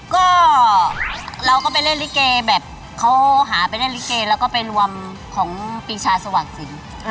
ก็เราก็ไปเล่นลิเกแบบเขาหาไปเล่นลิเกแล้วก็ไปรวมของปีชาสว่างสิน